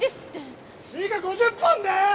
追加５０本だよ！